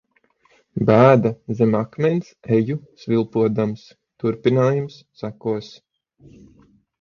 Bēda zem akmens, eju svilpodams. Turpinājums sekos...